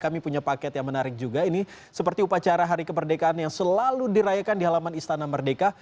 kami punya paket yang menarik juga ini seperti upacara hari kemerdekaan yang selalu dirayakan di halaman istana merdeka